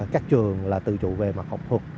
các trường là từ chủ về mặt học thuật